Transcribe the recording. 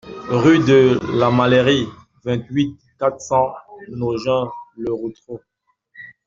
Rue de la Mâlerie, vingt-huit, quatre cents Nogent-le-Rotrou